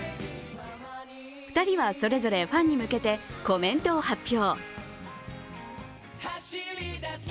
２人は、それぞれファンに向けてコメントを発表。